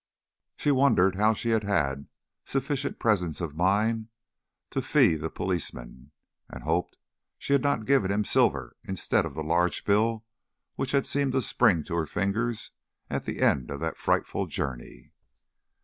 She wondered how she had had sufficient presence of mind to fee the policeman, and hoped she had not given him silver instead of the large bill which had seemed to spring to her fingers at the end of that frightful journey.